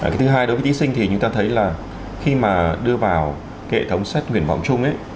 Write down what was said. cái thứ hai đối với thí sinh thì chúng ta thấy là khi mà đưa vào hệ thống xét tuyển vọng chung